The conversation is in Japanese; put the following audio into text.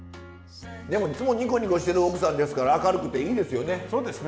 でもいつもニコニコしてる奥さんですから明るくていいですよね。